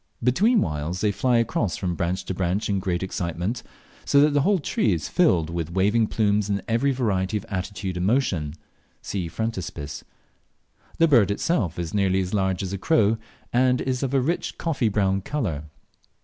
Between whiles they fly across from branch to branch in great excitement, so that the whole tree is filled with waving plumes in every variety of attitude and motion. (See Frontispiece.) The bird itself is nearly as large as a crow, and is of a rich coffee brown colour.